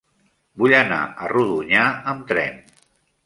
Vull anar a Rodonyà amb tren.